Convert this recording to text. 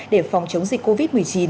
để phòng chống dịch covid một mươi chín